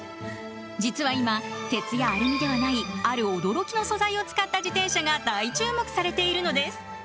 実は今、鉄やアルミではないある驚きの素材を使った自転車が大注目されているのです。